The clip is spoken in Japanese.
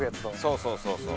そうそうそうそう。